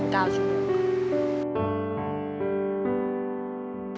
๘๙ชั่วโมง